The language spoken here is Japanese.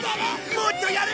もっとやれ！